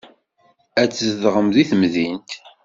Ad tzedɣem deg temdint.